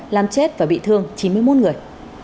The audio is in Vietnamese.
làm chết và bị thương chín mươi một người